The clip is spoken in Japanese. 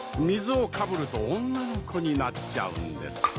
水をかぶると女の子になっちゃうんです